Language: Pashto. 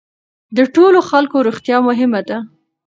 د ټولو خلکو روغتیا مهمه ده.